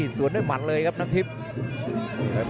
สวนด้วยหมัดเลยครับน้ำทิพย์